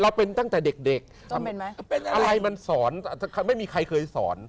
เป็นตั้งแต่เด็กอะไรมันสอนไม่มีใครเคยสอน